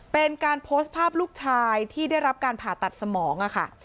เป็นการโพสต์ภาพลูกชายที่ได้รับการผ่าตัดสมองค่ะ